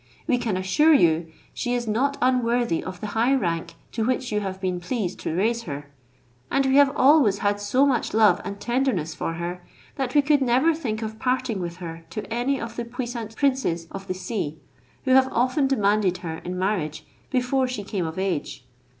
We can assure you, she is not unworthy of the high rank to which you have been pleased to raise her; and we have always had so much love and tenderness for her, that we could never think or parting with her to any of the puissant princes of the sea, who have often demanded her in marriage before she came of age.